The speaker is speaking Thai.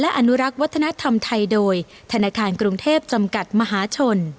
อนุรักษ์วัฒนธรรมไทยโดยธนาคารกรุงเทพจำกัดมหาชน